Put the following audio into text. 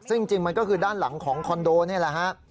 ซึ่งจริงมันก็คือด้านหลังของคอนโดนี่แหละฮะ